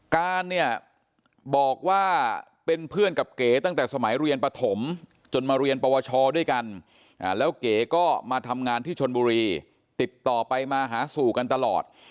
การเนี่ยบอกว่าเป็นเพื่อนกับเก๋ตั้งแต่สมัยเรียนปฐมจนมาเรียนปวชด้วยกันแล้วเก๋ก็มาทำงานที่ชนบุรีติดต่อไปมาหาสู่กันตลอด